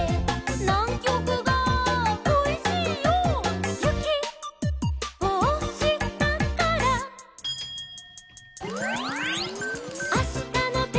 「『ナンキョクがこいしいよ』」「ゆきをおしたから」「あしたのてんきは」